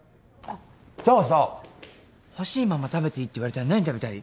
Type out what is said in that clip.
じゃあさほしいまま食べていいって言われたら何食べたい？